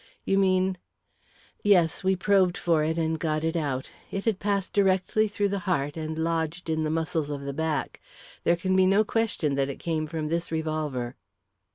"You mean " "Yes, we probed for it and got it out. It had passed directly through the heart, and lodged in the muscles of the back. There can be no question that it came from this revolver."